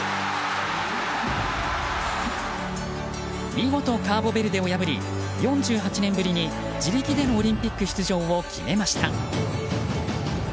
見事、カーボベルデを破り４８年ぶりに自力でのオリンピック出場を決めました。